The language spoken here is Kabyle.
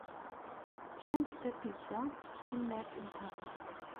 Ččant tapizza s tkemmart n taɣaḍt.